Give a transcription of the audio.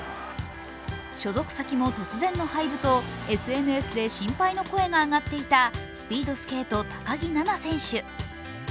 所属先も、突然の廃部とＳＮＳと心配の声が上がっていたスピードスケート・高木菜那選手。